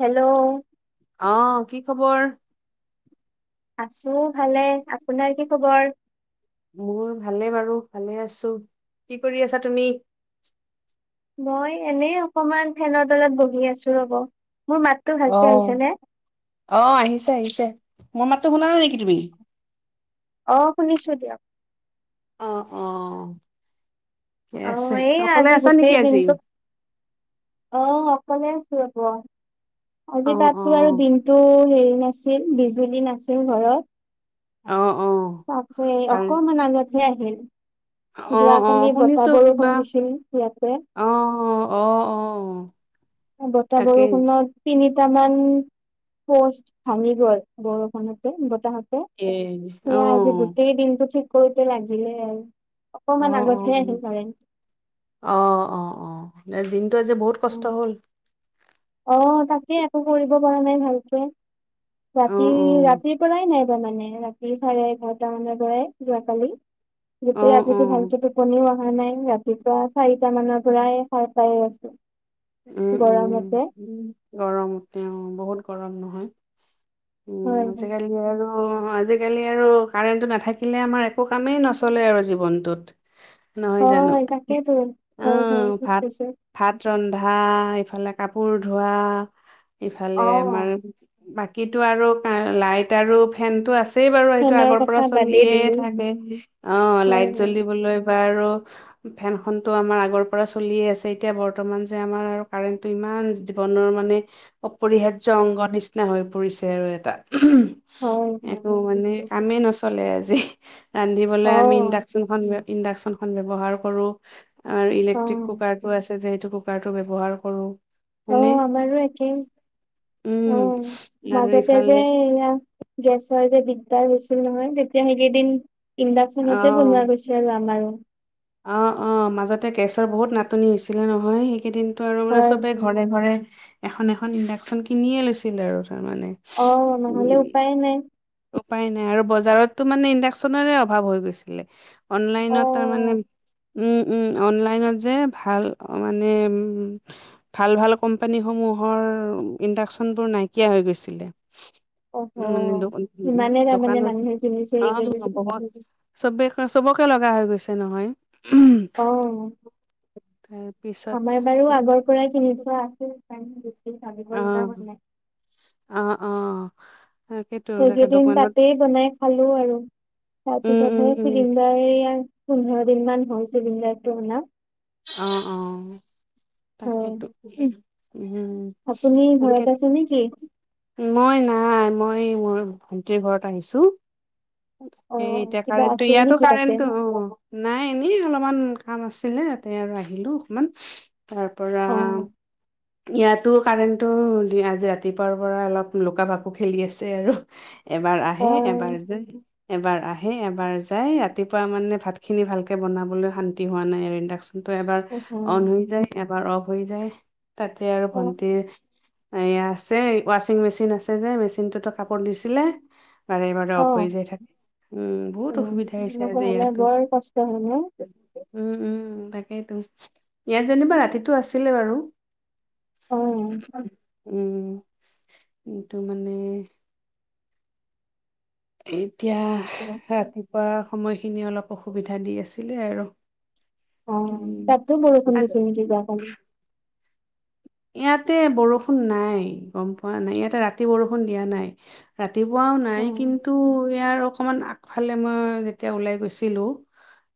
Hello অ কি খবৰ আছো ভালে আপোনাৰ কি খবৰ মোৰ ভালে বাৰু ভালে আছোঁ কি কৰি আছা তুমি? মই এনেই অকমান ফেনৰ তলত বহি আছো ৰ'ব মোৰ মাত অ অ আহিছে আহিছে মোৰ মাতটো শুনা নাই নেকি তুমি অ শুনিছো দিয়ক। অ অ ঠিকে অ আছে এই অকলে আজি আছ গোটেই নেকি আজি দিনটো অ অকলে আছো ৰব অ', আজি তাততো আৰু অ', দিনটো হেৰি নাছিল বিজুলী নাছিল ঘৰত অ অ তাকে ভাল অকমান আগত হে আহিল অ', অ', যোৱাকালি বতাহ, বৰষুণ দিছিল ইয়াতে। অ'অ' অ' অ' অ'বতাহ তাকে বৰষুণত তিনিটামান পষ্ট ভাঙি গ'ল বৰষুণতে বতাহতে। ইয়ে সেয়া আজি গোটেই দিনটো ঠিক কৰোতে লাগিলে আৰু। অকমান অ' আগতহে আহিল কাৰেণ্ট। অ'অ'অ'অ'অ' মানে দিনটো আজি বহুত কষ্ট উম, হ'ল? অ' তাকে একো কৰিব পৰা নাই ভালকে ৰাতি, অ', অ', ৰাতিৰ পৰাই নাই ত' মানে ৰাতি চাৰে এঘাৰটা মানৰ পৰাই যোৱা কালি গোটেই অ', ৰাতিটো অ', ভালকে টোপ টোপনিও অহা নাই ৰাতিপুৱা চাৰিটা মানৰ পৰাই খাৰ পাইয়ে আছো। উম, গৰমতে উম গৰম তেওঁ বহুত গৰম নহয়। হয় উম, আজিকালি [unintelligible] অ' আজিকালি আৰু কাৰেণ্টটো নাথাকিলে আমাৰ একো কামেই নচলে আৰু জীৱনটোত। নহয় হয় জানো হয় তাকেইতো হয় হয় ঠিক অ'ভাত কৈছে। ভাত ৰন্ধা ইফালে কাপোৰ ধোৱা ইফালে আমাৰ অ' বাকীটো আৰু কাৰে লাইট আৰু ফেনটো আছ ছেই বাৰু এইটো ফেনৰ আগৰ কথা পৰা বাদেই চলিয়ে দিলো থাকে অ' হয় লাইট হয় জ্বলিবলৈ বা আৰু ফেন খনতো আমাৰ আগৰ পৰা চলিয়ে আছে এতিয়া বৰ্তমান যে আমাৰ আৰু কাৰেণ্টটো ইমান জীৱনৰ মানে অপৰিহাৰ্য অংগ নিচিনা হৈ পৰিছে আৰু এটা। হয় হয় একো ঠিক মানে কৈছে। কামেই নচলে আজি ৰান্ধিবলৈ আমি অ' ইণ্ডাকচন [unintelligible] ইণ্ডাকচন খন ব্যৱহাৰ কৰো অ' ইলেক্ট্ৰিক অ' কুকাৰটো আছে যে সেইটো কু কাৰটো ব্যৱহাৰ কৰো। হয়নে? অ'আমাৰো একেই অ' উম আৰু মাজতে ইফালে যে এয়া গেছৰ যে দিগদাৰ হৈছিল নহয় তেতিয়া সেইকেইদিন ইণ্ডাকচনতে বনোৱা অ', গৈছ ছে আৰু আমাৰো। অ' অ' মাজতে গেছৰ বহুত নাটনি হৈছিলে নহয় সেইকেইদিন। ত' আৰু মানে হয় চবে হয় ঘৰে, ঘৰে এখন, এখন ইণ্ডাকচন কিনিয়ে লৈছিল আৰু তাৰমানে। অ' নহ'লে উম উপায়ে নাই। উপায় নাই আৰু বজাৰততো মানে ইণ্ডাকচনৰে অভাৱ হৈ গৈছিলে। অ অনলাইনত তাৰ মানে উম, উম অনলাইনত যে ভাল অ' মানে উম, উম ভাল, ভাল কোম্পানীসমূহৰ ইণ্ডাকচনবোৰ নাইকিয়া হৈ গৈছিলে। অহ উম, মানে দোকান উম, উম ইমানে তাৰমানে দোকানৰটো মানুহে কিনিছে এইকেইদিন [unintelligible] [unintelligible] চবে কয় চবকে লগা হৈ গৈছে নহয়। অ', তাৰ পিছ আমাৰ বাৰু আগৰ পৰাই কিনি থোৱা আছিল সেই কাৰণে বেছি ভাবিব অ লগা হোৱা নাই। অ' অ' তাকেতো তাকে সেইকেইদিন দোকানত তাতেই বনাই খালোঁ আৰু। উম উম তাৰপিছতহে উম চিলিণ্ডাৰ সেয়া পোন্ধৰ দিন মান হ'ল চিলিণ্ডাৰটো অনা। অ' হয় অ'তাকেতো উম, আপুনি ঘৰত আছে নেকি? [unintelligible] মই নাই মই মোৰ ভন্টিৰ ঘৰত আহিছোঁ। অ সেই এতিয়া কিবা কাৰেণ্টটো আছিল ইয়াতো নেকি তাতে? কাৰেণ্ট অ' অ। নাই এনেই অলমান কাম আছিলে তাতে আৰু আহিলোঁ অকনমান। তাৰ পৰা অ - ইয়াতো কাৰেণ্টটো আজি ৰাতিপুৱাৰ পৰা অলপ লুকা ভাকু খেলি আছে আৰু। এবাৰ অ আহে এবাৰ যায়। এবাৰ আহে এবাৰ যায় ৰাতিপুৱা মানে ভাত খিনি ভালকে বনাবলৈ শান্তি হোৱা নাই। ইণ্ডাস্ক টো'এবাৰ অ অন হৈ যায় এবাৰ অফ হৈ যায় তাতে আৰু অ ভণ্টিৰ - এইয়া আছে ৱাচিং মেচিন আছে যে মেচিনটোতো কাপোৰ দিছিলে - বাৰে বাৰে অ অফ হৈ যায় থাকে, উম বহুত উম অসুবিধা হৈছে এনেকুৱা আজি হলে ইয়াতো। বৰ কষ্ট হয় ন? উম উম তাকেইতো, ইয়াত যেনিবা ৰাতিটো আছিলে বাৰু। অ উম, কিন্তু মানে - এতিয়া ঠিকে আছে। ৰাতিপুৱা সময়খিনি অলপ অসুবিধা দি আছিলে আৰু। অ, উম, ' তাতো বৰষুণ দিছে নেকি যোৱা কালি? ইয়াতে বৰষুণ নাই গম পোৱা নাই। ইয়াতে ৰাতি বৰষুণ দিয়া নাই। ৰাতিপুৱাও অ নাই কিন্তু ইয়াৰ অকণমান আগফালে মই যেতিয়া ওলাই গৈছিলোঁ -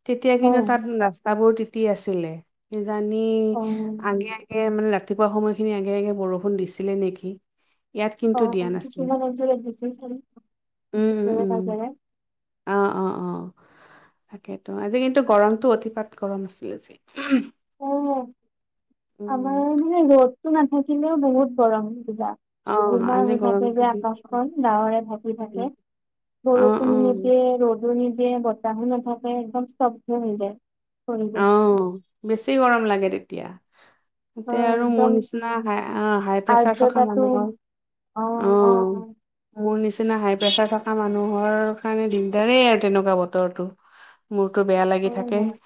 তেতিয়া অ কিন্তু তাত ৰাস্তাবোৰ তিতি আছিলে, কিজানি অ আগে আ সেয়ে মানে ৰাতিপুৱা সময় খিনি আগে আগে বৰষুণ দিছিলে নেকি? ইয়াত অ অ কিন্তু দিয়া নাছিল, কিছুমান অঞ্চলত দিছিল চাগে উম' ওচৰে উম। পাজৰে। অ' অ' অ'। তাকেইেতো, আজি কিন্তু গৰমটো অতিপাত গৰম আছিল আজি। অ' উম, আমাৰ মানে ৰ'দটো নাথাকিলেও বহুত গৰম [unintelligible] অ', গুমাহ আজি হৈ থাকে গৰমটো যে দি- আকাশখন ডাৱৰে ঢাকি থাকে। অ', বৰষুণ অ', নিদিয়ে ৰ'দ ও নিদিয়ে বতাহো নাথাকে একদম স্তব্ধ হৈ যায়। [unintelligible] অ' বেছি গৰম লাগে তেতিয়া। অ তাতে আৰু মোৰ একদম নিচিনা হাই অ হাই প্ৰেচাৰ থকা আৰ্দ্ৰতাটো মানুহৰ - অ' অ' অ'। মোৰ নিচিনা হাই প্ৰেছাৰ থকা মানুহৰ কাৰণে দিগদাৰেই আৰু তেনেকুৱা বতৰটো। মুৰটো বেয়া লাগি হয় থাকে। হয়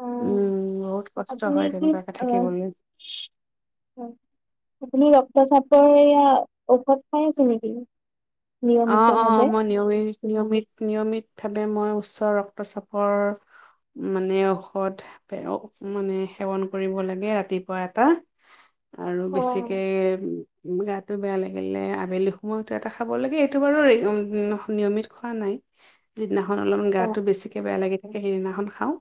অ উম', বহুত কষ্ট আপুনি হয় কি তেনেকুৱাকে আহ থাকিবলে। আপুনি ৰক্তচাপৰ এইয়া ঔষধ খাই আছে নেকি? অ' অ নিয়মিতভাৱে? মই নিয়মিত নিয়মিত নিয়মিতভাৱে মই উচ্চ ৰক্তচাপ - মানে ঔষধ - মানে সেৱন কৰিব লাগে ৰাতিপুৱা এটা। আৰু অ বেছিকে গাটো বেয়া লাগিলে আবেলি সময়তো এটা খাব লাগে। এইটো বাৰু নিয়মিত খোৱা নাই। যিদিনাখন অলপমান অ গাটো বেছিকে বেয়া লাগি থাকে সেইদিনাখন খাওঁ,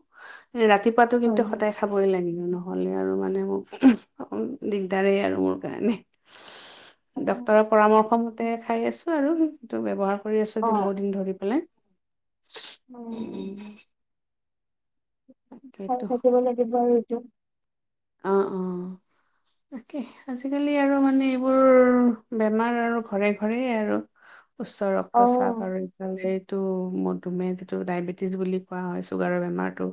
ৰাতিপুৱাতো কিন্তু হয় হয় সদায় খা - খাবই লাগিল নহলে আৰু মানে মোক অকন দিগদাৰেই আৰু মোৰ কাৰণে। অ ডক্তৰৰ পৰামৰ্শ মতে খাই আছো আৰু। এইটো ব্যৱহাৰ কৰি আছ অ যে বহুত দিন ধৰি পেলাই - হয় হয়। খাই থাকিব লাগিব আৰু এইটো। অ' অ' তাকে। আজিকালি আৰু মানে এইবোৰ বেমাৰ আৰু ঘৰে ঘৰেই আৰু। উচ্চ অ ৰক্তচাপ আৰু - এইটো মধুমেহটো ডাইবেটিছ বুলি কোৱা হয় চুগাৰৰ বেমাৰটো।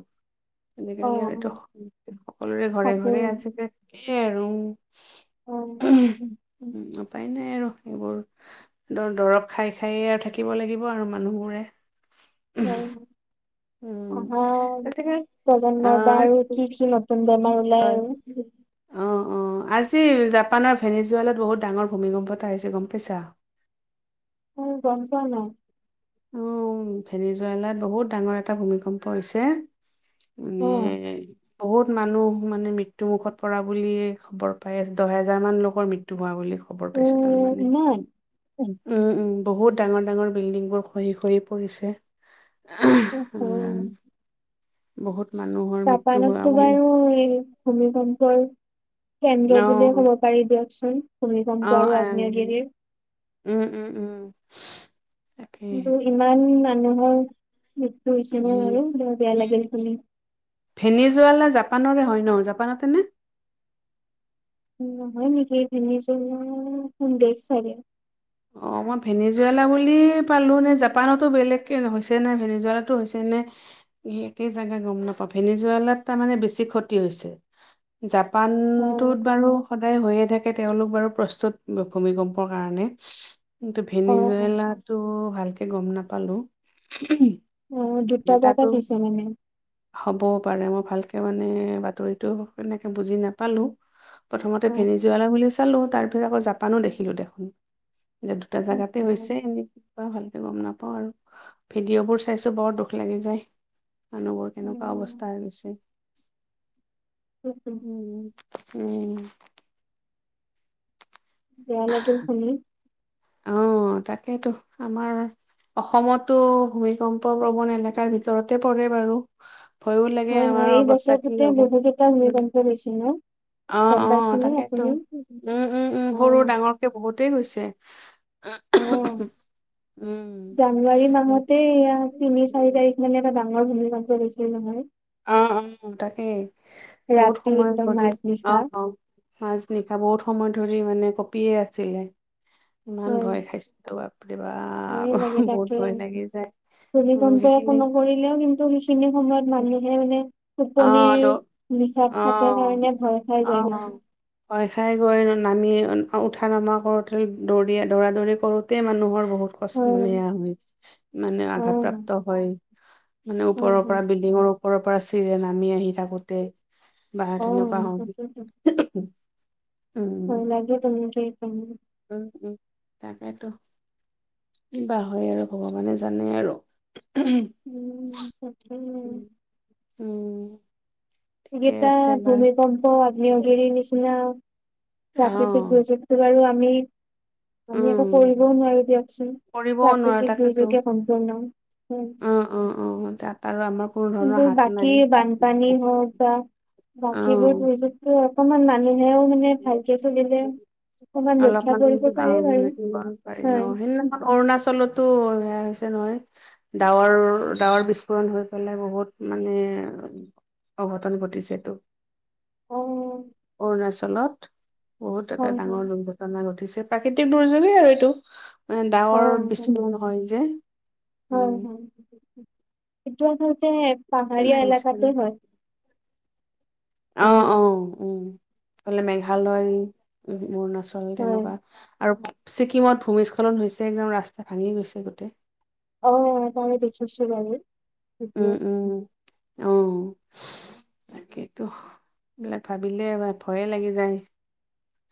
অ মেলেৰিয়াৰ এইটো সকলোৰে ঘৰে ঘৰে তাকেই আজিক থাকে আৰু। অ উপায় নাই আৰু এইবোৰ। দৰ দৰৱ খাই খাইয়ে আৰু থাকিব লাগিব আৰু মানুহবোৰে। উ [unintelligible] উম, এতেকে প্ৰজন্মৰ বা আহ। আৰু কি কি নতুন বেমাৰ ওলাই অ', অ' আজি জাপানৰ ভেনিজুৱালত বহুত ডাঙৰ ভূমিকম্প এটা আহিছে গ'ম পাইছা? মই গ'ম পোৱা নাই। উম, ভেনীজুৱালাত বহুত ডাঙৰ এটা ভূমিকম্প হৈছে। মানে অ [unintelligible] বহুত মানুহ মানে মৃত্যু মুুখত পৰা বুলিয়ে খবৰ পাই। দহ হেজাৰ মান লোকৰ মৃত্যু হোৱা বুলি খবৰ পাইছো তাৰ উম মানে। ইমান উম উম উম বহুত ডাঙৰ ডাঙৰ বিল্ডিং বোৰ খহি খহি পৰিছে। উ হ'। উম, বহুত মানুহৰ মৃত্যু হোৱা জাপানততো বুলি বাৰু ভূমিকম্পৰ অ', কেন্দ্ৰ বুলিয়ে অ', ক'ব পাৰি দিয়কচোন। ভূমিকম্প আৰু আহ, আগ্মীয়গিৰিৰ। উম, উম, উম। তাকে। কিন্তু ইমান মানুহৰ মৃত্যু হৈছে ন বাৰু, বৰ বেয়া লাগিল শুনি। ভেনিজুৱেলা জাপানৰে হয় ন জাপানতে নে? নহয় নেকি, ভেনিজুৱেলা এখন দেশ চাগে? অ' মই ভেনেজুৱালা বুলি পালো, নে জাপানতো বেলেগ হৈছে নে ভেনেজুৱালাতো হৈছে নে এই একে জাগা গ'ম নাপাওঁ, ভেনী জুৱেলাত তাৰমানে বেছি ক্ষতি হৈছে। অ জাপানটোত বাৰু সদায় হৈয়ে থাকে, তেওঁলোক বাৰু প্ৰস্তুত ভূমিকম্পৰ কাৰণে। কিন্তু অ অ ভেনিজুৱেলা টো ভালকে গ'ম নাপালো। অ' দুটা তাতো জাগাত থৈছে মানে? হ'বও পাৰে, মই ভালকে মানে বাতৰিটো তেনেকে বুজি নাপালো। প্ৰথমতে অ ভেনিজুৱালা বুলি চালোঁ, তাৰপিছত আকৌ জাপানো দেখিলোঁ দেখোন। এই দুটা অ জেগাতে অ হৈছে নে কিবা ভালকে গ'ম নাপাও আৰু, ভিডিঅ' বোৰ চাইছো বৰ দুখ লাগি যায়। মানুহ তেনেকুৱা অৱস্থা গৈছে। উম, উম। উম, উম। বেয়া লাগিল শুনি। অ' তাকেইতো, আমাৰ অসমতো ভূমিকম্প প্ৰবণ এলেকাৰ ভিতৰতে পৰে বাৰু। ভয়ো লাগে হয় হয় আমাৰ এই অৱস্থা কি বছৰটোতে হ'ব। বহুকেইটা ভূমিকম্প গৈছে ন অ', গম অ' পাইছেনে তাকেইতো আপুনি? উম উম উম সৰু অ' ডাঙৰকৈ বহুতেই হৈছে। অ' জানুৱাৰী মাহতে এয়া তিনি চাৰি উম তাৰিখ মানে এটা ডাঙৰ ভূমিকম্প গৈছিল নহয়। অ', অ' তাকেই বহুত ৰাতি সময় একদম হ'লে মাজনিশা অ' অ'। মাজ নিশা বহুত সময় ধৰি মানে কঁপিয়ে আছিলে। ইমান হয় ভয় খাইছিলো বাপ ৰে বাপ বহুত ভয় লাগি যায়। উম ভূমিকম্পএকো সেইখিনি নকৰিলেও কিন্তু সেইখিনি সময়ত মানুহে মানে অ দ টোপনিৰ নিচাত অ থাকে কাৰণে ভয় খাই অ যায় মানে। ভয় খাই গৈ নামি, উঠা নমা কৰোঁতে দৌৰি- দৌৰা- দৌৰি কৰোতেই মানুহৰ বহুত হয় মানে, অ' আঘাতপ্ৰাপ্ত হয়, মানে হয় ওপৰৰ হয় পৰা বি বিল্ডিঙৰ ওপৰৰ পৰা চিৰিৰে নামি আহি থাকোঁতে বা তেনেকুৱা অ' হয় তাকেইতো [unintelligible] উম [unintelligible] উম- উম তাকেইতো। কিবা হয় আৰু ভগৱানে জানে আৰু। উম তাকে। উম। ঠিকে এইকেইটা আছে বাৰু ভূমিকম্প, আগ্নেয়গিৰি নিচিনা, প্ৰাকৃতিক অ', দুৰ্যোগ টো বাৰু আমি- আমি একো উম। কৰিবও নোৱাৰোঁ দিয়কচোন। কৰিবও নোৱাৰো প্ৰাকৃতিক তাকেতো দুৰ্যোগে সম্পূৰ্ণ, উম। উম, উম তাত আৰু আমাক কিন্তু বাকী বানপানী হওঁক বা বাকীবোৰ অ'। দুৰ্যোগ ত অকমান মানুহেও মানে ভালকে চলিলে, অকমান ৰক্ষা অলপমান কৰিব পাৰে বাৰু অ', পাৰিম হয়। অ', সেইদিনাখন অৰুণাচলতো সেয়া হৈছে নহয়। ডাৱৰ- ডাৱৰ বিস্ফোৰণ হৈ পেলাই বহুত মানে অঘটন ঘটিছেটো অ', অৰুণাচল ফলত, বহুত এটা হয় হয় ডাঙৰ দুৰ্ঘটনা ঘটিছে। প্ৰাকৃতিক দুৰ্যোগেই আৰু এইটো। এ ডাৱৰ অ', বেছি দূৰ নহয় যে, উম। সেইটো আচলতে তেনে পাহাৰীয়া হৈছে আৰু। এলেকাতো হয়। অ- অ- উম, সেইফালে মেঘালয় অৰুণাচল হয়। তেনেকুৱা আৰু ছিকিমত ভূমিস্খলন হৈছে। একদম ৰাস্তা ভাঙি গৈছে গোটেই। অ, দেখিছো বাৰু। ভিডিঅ'। উম- উম, অ। তাকেইটো, এইবিলাক ভাবিলে ভয়ে লাগি যায়।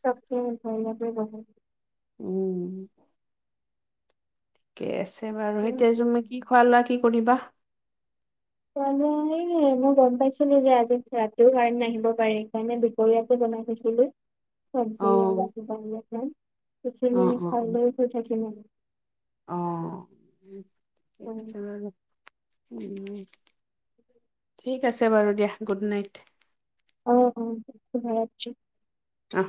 তাকেই ভয় লাগে বহুত। উম। ঠিকেই আছে বাৰু, উম, এতিয়া তুমি কি খোৱালা, কি কৰিবা? মই গম পাইছিলোঁ যে, আজি ৰাতিৰ কাৰেণ্ট নাহিব পাৰে সেইকাৰণে দূপৰীয়াতে বনাই থৈছিলোঁ। চব্জি আৰু অ', কিবা এটা ফ্ৰাই সেইখিনি অ', অ', খাই শুই থাকিলোঁ। অ, ঠিক আছে বাৰু। ঠিক আছে বাৰু দিয়া, গুড নাইট। অ, অ শুভৰাত্ৰি। অ।